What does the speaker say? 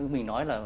mình nói là